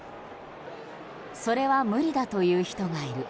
それは無理だと言う人がいる。